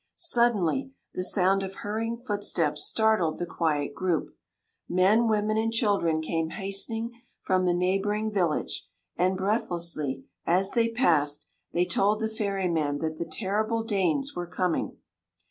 Suddenly the sound of hurrying footsteps startled the quiet group. Men, women, and children came hastening from the neighboring village, and breathlessly, as they passed, they told the ferryman that the terrible Danes were coming.